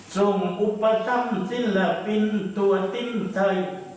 ส่งอุปฏิมิตรศิลปินตัวติ้นไทย